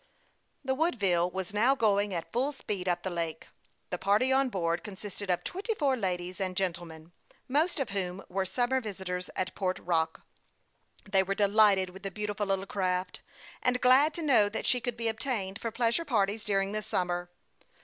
The Woodville was now going at full speed up ths lake. The party on board consisted of twenty four ladies and gentlemen, most of whom were sum mer visitors at Port Rock. They were delighted with the beautiful little craft, and glad to know that she could be obtained for pleasure parties during the summer.